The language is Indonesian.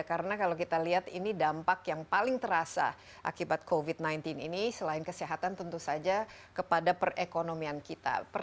karena kalau kita lihat ini dampak yang paling terasa akibat covid sembilan belas ini selain kesehatan tentu saja kepada perekonomian kita